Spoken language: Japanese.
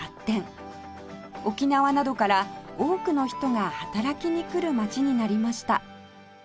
沖縄などから多くの人が働きに来る街になりました